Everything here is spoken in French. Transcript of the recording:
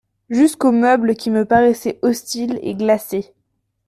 Jusqu'aux meubles qui me paraissaient hostiles et glacés.